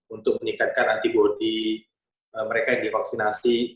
untuk meningkatkan antibody mereka yang divaksinasi